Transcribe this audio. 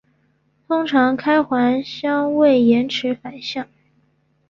通常开环相位延迟反相。